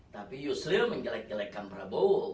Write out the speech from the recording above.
tapi yusril menjelek jelekkan prabowo